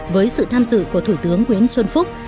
với sự tham dự của thủ tướng nguyễn văn bảo